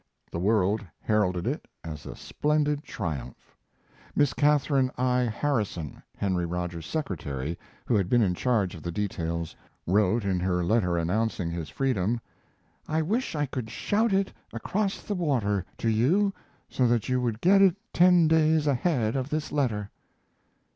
The world heralded it as a splendid triumph. Miss Katharine I. Harrison, Henry Rogers's secretary, who had been in charge of the details, wrote in her letter announcing his freedom: "I wish I could shout it across the water to you so that you would get it ten days ahead of this letter."